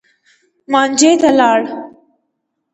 مانجې ته لاړ.